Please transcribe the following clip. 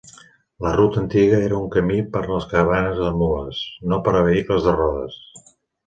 La ruta antiga era un camí per a caravanes de mules, no per a vehicles de rodes.